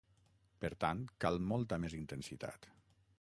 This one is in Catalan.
Per tant, cal molta més intensitat.